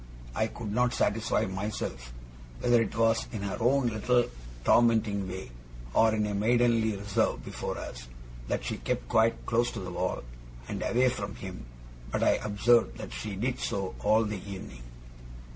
I could not satisfy myself whether it was in her own little tormenting way, or in a maidenly reserve before us, that she kept quite close to the wall, and away from him; but I observed that she did so, all the evening.